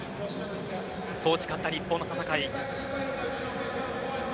そう誓った日本の戦い。